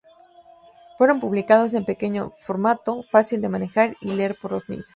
Fueron publicados en pequeño formato, fácil de manejar y leer por los niños.